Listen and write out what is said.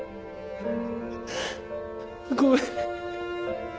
ごめん。